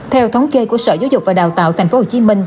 theo thống kê của sở giáo dục và đào tạo tp hcm